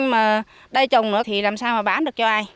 nhưng mà đai trồng nữa thì làm sao mà bán được cho ai